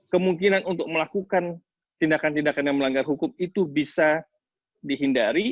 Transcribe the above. kemungkinan untuk melakukan tindakan tindakan yang melanggar hukum itu bisa dihindari